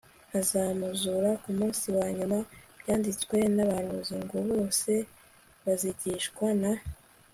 nkazamuzura ku munsi wa nyuma Byanditswe n abahanuzi ngo bose bazigishwa na